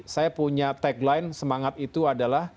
saya punya tagline semangat itu adalah